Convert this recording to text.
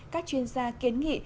các chuyên gia kiến nghị